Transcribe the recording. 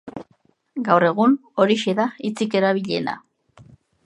Gaur egun horixe da hitzik erabiliena.